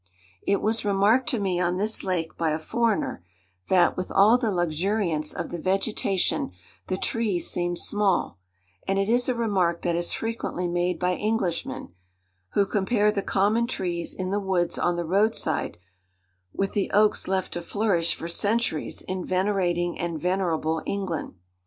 It was remarked to me on this lake by a foreigner, that, with all the luxuriance of the vegetation, the trees seemed small; and it is a remark that is frequently made by Englishmen, who compare the common trees in the woods on the roadside with the oaks left to flourish for centuries in venerating and venerable England.